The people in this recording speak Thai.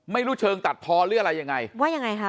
ไม่รู้เชิงตัดพอหรืออะไรยังไงว่ายังไงคะ